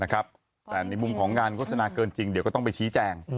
แต่ในมุมของงานโฆษณาเกินจริงเดี๋ยวก็ต้องไปชี้แจง